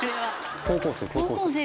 高校生高校生。